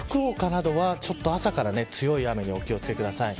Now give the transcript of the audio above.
福岡などは朝から強い雨にお気を付けください。